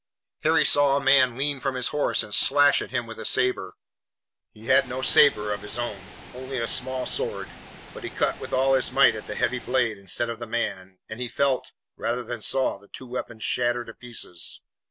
Harry saw a man lean from his horse and slash at him with a sabre. He had no sabre of his own, only a small sword, but he cut with all his might at the heavy blade instead of the man, and he felt, rather than saw, the two weapons shatter to pieces.